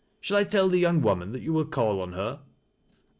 Shall I tell the young woman that you. will call on her